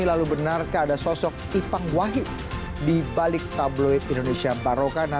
lalu benarkah ada sosok ipang wahid di balik tabloid indonesia barokana